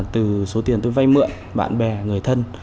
từ số tiền tôi vay mượn bạn bè người thân